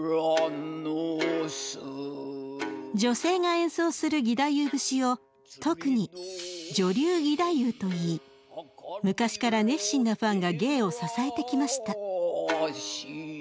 女性が演奏する義太夫節を特に「女流義太夫」と言い昔から熱心なファンが芸を支えてきました。